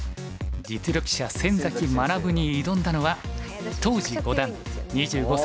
実力者先崎学に挑んだのは当時五段２５歳の松尾歩。